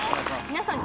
皆さん